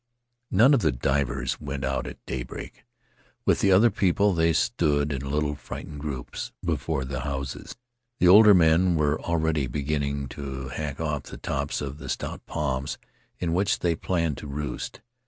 None of the divers went out at daybreak; with the other people, they stood in little frightened groups before the houses. The older men were already beginning to hack off the tops of the stout palms in which they planned to roost.